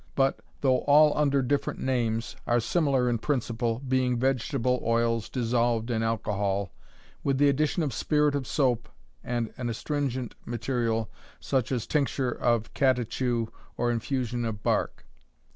But, though all under different names, are similar in principle, being vegetable oils dissolved in alcohol, with the addition of spirit of soap, and an astringent material, such as tincture of catechu, or infusion of bark.